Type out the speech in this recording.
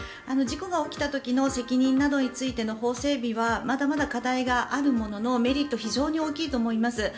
事故が起きた時の責任などについての法整備はまだまだ課題があるもののメリットは非常に大きいと思います。